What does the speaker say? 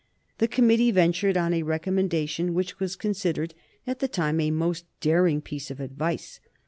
The committee ventured on a recommendation which was considered, at the time, a most daring piece of advice.